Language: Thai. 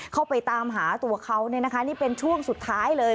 เข้าไปตามหาตัวเขานี่เป็นช่วงสุดท้ายเลย